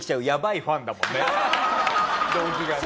動機がね。